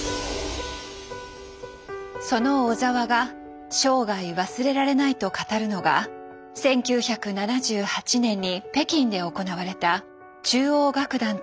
その小澤が「生涯忘れられない」と語るのが１９７８年に北京で行われた中央楽団とのコンサートです。